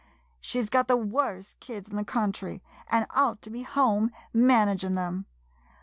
She 's got the worst kids in the county, an' ought to be home managin' them.